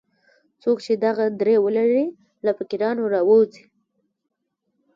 څوک چې دغه درې ولري له فقیرانو راووځي.